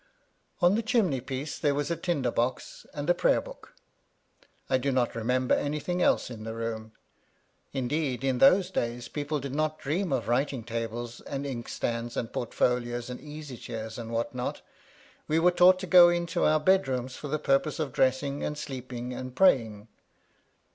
On the chimney piece there was a tinder box and a Prayer book. I do not remember anything else in the room. Indeed, in those days people did not dream of writing tables, and inkstands, and portfolios, and easy chairs, and what not. We were taught to go into our bedrooms for the purposes of dressing, and sleeping, and praying.